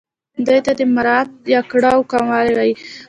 دې ته د مرارت یا کړاو کمول وايي.